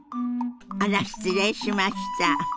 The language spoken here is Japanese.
あら失礼しました！